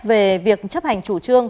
về việc chấp hành chủ trương